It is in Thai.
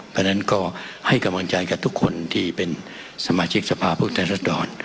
เพราะฉะนั้นก็ให้กำลังใจกับทุกคนที่เป็นสมาชิกสภาพผู้แทนรัศดร